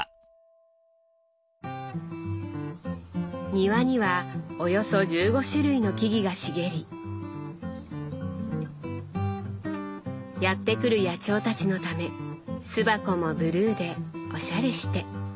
庭にはおよそ１５種類の木々が茂りやって来る野鳥たちのため巣箱もブルーでおしゃれして。